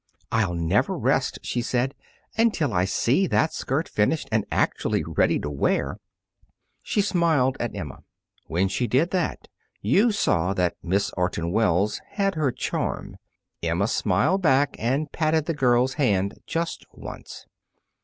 "I'll never rest," she said, "until I see that skirt finished and actually ready to wear." She smiled at Emma. When she did that, you saw that Miss Orton Wells had her charm. Emma smiled back, and patted the girl's hand just once.